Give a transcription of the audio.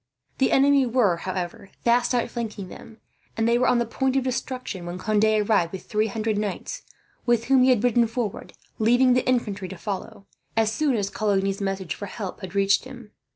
The enemy were, however, fast outflanking them; and they were on the point of destruction when Conde arrived, with three hundred knights with whom he had ridden forward, leaving the infantry to follow, as soon as Coligny's message for help had reached him.